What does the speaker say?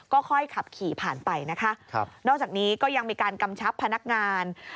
ก็ค่อยขับขี่ผ่านไปนะคะครับนอกจากนี้ก็ยังมีการกำชับพนักงาน